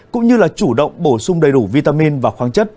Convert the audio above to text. cũng như là chủ động bổ sung đầy đủ vitamin và khoáng chất